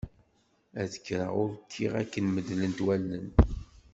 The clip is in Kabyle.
Ad kreɣ ur ukiɣ akken medlent wallen.